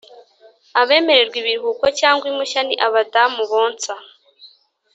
abemererwa ibiruhuko cyangwa impushya ni abadamu bonsa